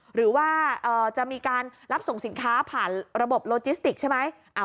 หรือว่าจะมีการรับส่งสินค้าผ่านระบบโลจิสติกใช่ไหม